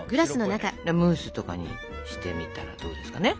ムースとかにしてみたらどうですかね。